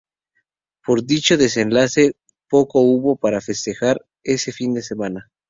Por dicho desenlace, poco hubo para festejar ese fin de semana.